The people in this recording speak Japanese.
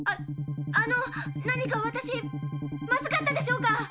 あの何か私まずかったでしょうか？